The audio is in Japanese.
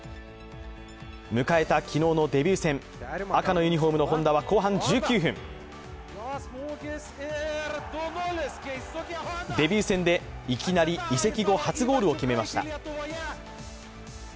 迎えた昨日のデビュー戦、赤のユニフォームの本田は後半１９分、デビュー戦でいきなり移籍後初ゴールを決めました。